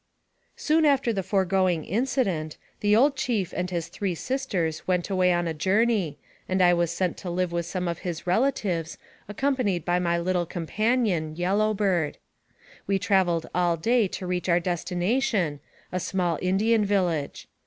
Soon after the foregoing incident, the old chief an$ his three sisters went away on a journey, and I was sent to live with some of his relatives, accompanied by my little companion, Yellow Bird. We traveled all day to reach our destination, a small Indian village.